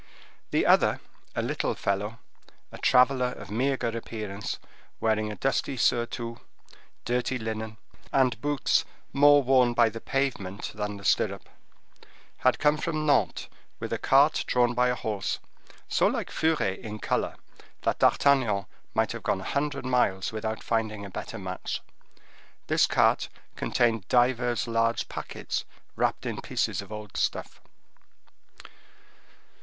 The other, a little fellow, a traveler of meagre appearance, wearing a dusty surtout, dirty linen, and boots more worn by the pavement than the stirrup, had come from Nantes with a cart drawn by a horse so like Furet in color, that D'Artagnan might have gone a hundred miles without finding a better match. This cart contained divers large packets wrapped in pieces of old stuff.